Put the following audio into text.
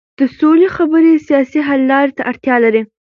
د سولې خبرې سیاسي حل لارې ته اړتیا لري